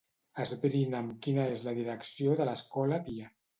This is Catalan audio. Esbrina'm quina és la direcció de l'escola Pia.